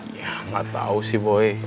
ya gak tau sih boy